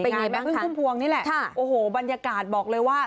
เป็นไงแม่พึ่งพุ่มพวงนี่แหละโอ้โหบรรยากาศบอกเลยว่า